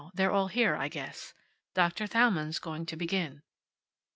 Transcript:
They're all here, I guess. Doctor Thalmann's going to begin."